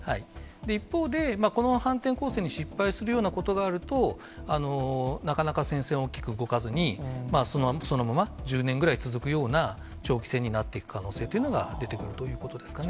一方で、この反転攻勢に失敗するようなことがあると、なかなか戦線は大きく動かずに、そのまま１０年ぐらい続くような長期戦になってくる可能性というのが出てくるということですかね。